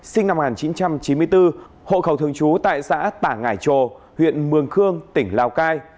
sinh năm một nghìn chín trăm chín mươi bốn hộ khẩu thường trú tại xã tả ngải trồ huyện mường khương tỉnh lào cai